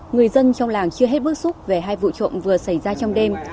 người dân trong làng chưa hết bức xúc về hai vụ trộm vừa xảy ra trong đêm